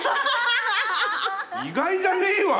意外じゃねえわ！